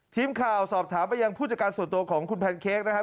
ทีมข่าวสอบถามไปยังผู้จัดการส่วนตัวของคุณแพนเค้กนะครับ